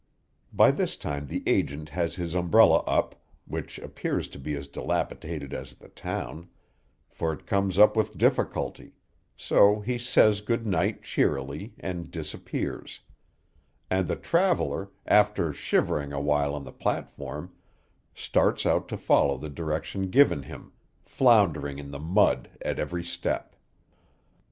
By this time the agent has his umbrella up, which appears to be as dilapidated as the town, for it comes up with difficulty, so he says good night cheerily, and disappears; and the traveller, after shivering awhile on the platform, starts out to follow the direction given him, floundering in the mud at every step.